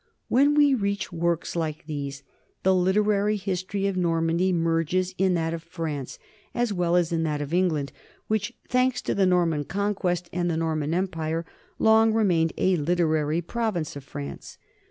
When we reach works like these, the literary history of Normandy merges in that of France, as well as in that of England, which, thanks to the Norman Con quest and the Norman empire, long remained a literary province of France.